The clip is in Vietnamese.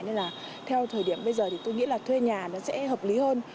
nên là theo thời điểm bây giờ thì tôi nghĩ là thuê nhà nó sẽ hợp lý hơn